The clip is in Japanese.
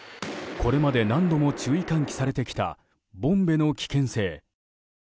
これまで何度も注意喚起されてきたボンベの危険性。